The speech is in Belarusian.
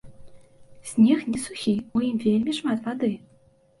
Снег не сухі, у ім вельмі шмат вады.